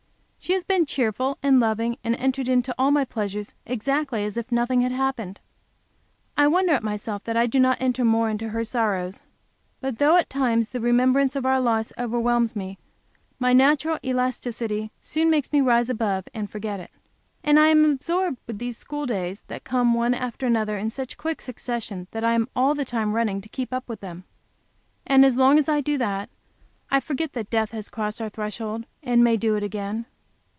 She has been cheerful and loving, and entered into all my pleasures exactly as if nothing had happened. I wonder at myself that I do not enter more into her sorrows, but though at times the remembrance of our loss overwhelms me, my natural elasticity soon makes me rise above and forget it. And I am absorbed with these school days, that come one after another, in such quick succession that I am all the time running to keep up with them. And as long as I do that I forget that death has crossed our threshold, and may do it again.